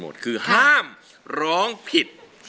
ห้ามร้องผิด